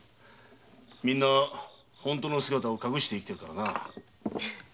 みんな本当の姿を隠して生きているからな。